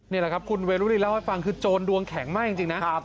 นี่แหละครับคุณเวรุรินเล่าให้ฟังคือโจรดวงแข็งมากจริงนะ